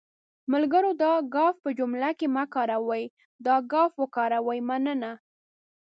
ملګرو دا گ په جملو کې مه کاروٸ، دا ګ وکاروٸ.مننه